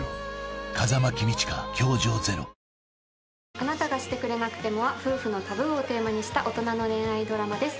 『あなたがしてくれなくても』は夫婦のタブーをテーマにした大人の恋愛ドラマです。